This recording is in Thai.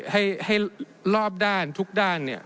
ให้รอบด้านทุกด้าน